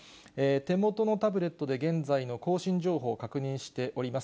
手元のタブレットで現在の更新情報確認しております。